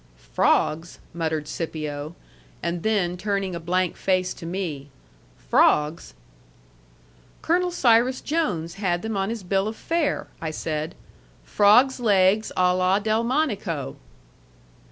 "Frogs!" muttered Scipio. And then turning a blank face to me, "Frogs?" "Colonel Cyrus Jones had them on his bill of fare," I said. "'FROGS' LEGS A LA DELMONICO.'"